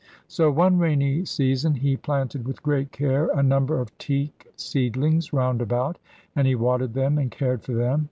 So one rainy season he planted with great care a number of teak seedlings round about, and he watered them and cared for them.